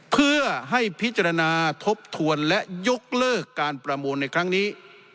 เพื่อให้พิจารณาทบทวนและยกเลิกการประมูลในครั้งนี้